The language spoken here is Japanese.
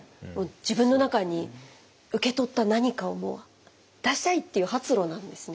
自分の中に受け取った何かをもう出したい！っていう発露なんですね。